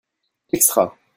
Extra.